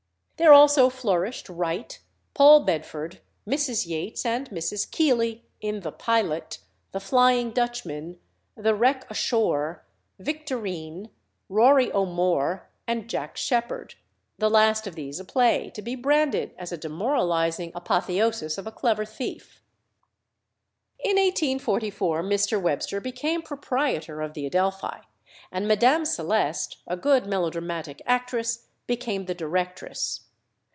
There also flourished Wright, Paul Bedford, Mrs. Yates, and Mrs. Keeley, in "The Pilot," "The Flying Dutchman," "The Wreck Ashore," "Victorine," "Rory O'More," and "Jack Sheppard," the last of these a play to be branded as a demoralising apotheosis of a clever thief. In 1844 Mr. Webster became proprietor of the Adelphi, and Madame Celeste, a good melodramatic actress, became the directress.